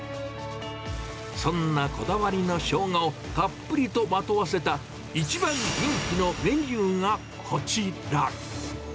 そんなこだわりのショウガをたっぷりとまとわせた、一番人気のメニューがこちら。